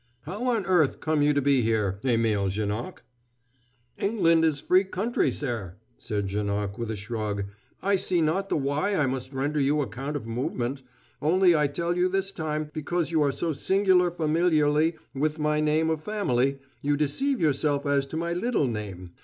How on earth come you to be here, Émile Janoc?" "England is free country, sare," said Janoc with a shrug; "I see not the why I must render you account of movement. Only I tell you this time, because you are so singular familiarly with my name of family, you deceive yourself as to my little name.